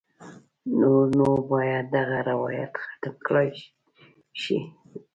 نور نو باید دغه روایت ختم کړای شي.